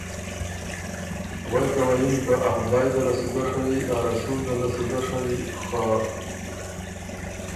غوېکه وه یِن که ا خدایٛ ده له سُو ګۀ ڒوی، ا رسول ده له سو ګۀ ڒوی خه